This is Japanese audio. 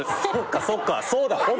そっかそっかそうだ。